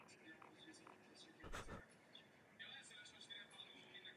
Z této doby také pochází většina jeho zvláštní architektury.